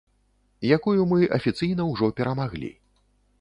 Якую мы афіцыйна ўжо перамаглі.